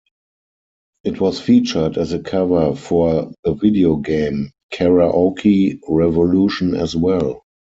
It was featured as a cover for the video game "Karaoke Revolution" as well.